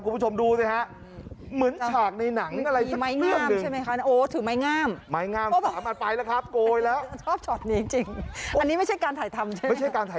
คุณผู้ชมดูซิฮะเหมือนฉากในหนังอะไรสักแค่หนึ่ง